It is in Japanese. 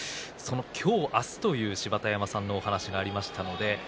今日、明日という芝田山さんのお話がありました。